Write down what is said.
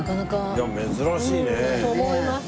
いや珍しいね。と思います。